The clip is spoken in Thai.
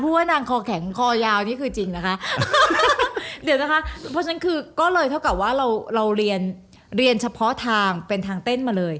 เพราะฉะนั้นเราก็เรียนชะพอทางก็เหมือนทางเต้นมาเลย